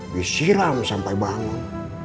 bisiram sampai bangun